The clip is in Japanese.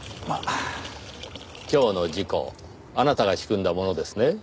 今日の事故あなたが仕組んだものですね？